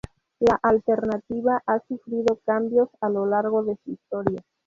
La alternativa ha sufrido cambios a lo largo de su historia.